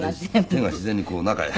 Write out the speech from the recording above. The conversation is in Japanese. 手が自然にこう中へ。